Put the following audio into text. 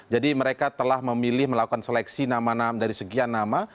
jadi mereka telah memilih melakukan seleksi nama nama dari sekian nama